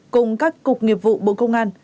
cùng các cục nghiệp vụ bộ công an